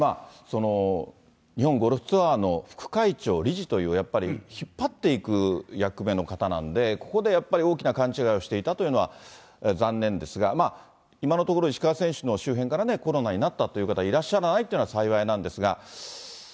日本ゴルフツアーの副会長、理事という、やっぱり引っ張っていく役目の方なんで、ここでやっぱり大きな勘違いをしていたというのは、残念ですが、今のところ、石川選手の周辺からコロナになったという方がいらっしゃらないというのは幸いなんですが。